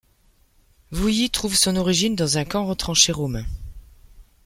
Vouilly trouve son origine dans un camp retranché romain.